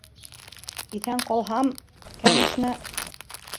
Иҫән ҡалһам, кәнишне.